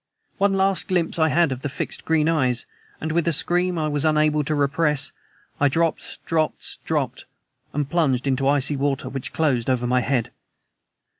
One last glimpse I had of the fixed green eyes, and with a scream I was unable to repress I dropped, dropped, dropped, and plunged into icy water, which closed over my head.